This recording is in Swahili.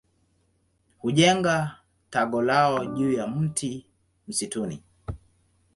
Hujenga tago lao juu ya mti msituni.